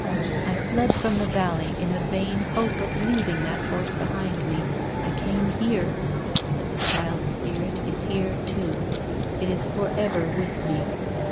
I fled from the valley, in a vain hope of leaving that voice behind me. I came here. But the child's spirit is here too. It is forever with me."